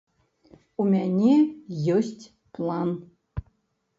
У мяне ёсць план.